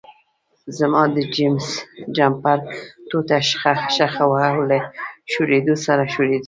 زما د جمپر ټوټه شخه وه او له شورېدو سره شریده.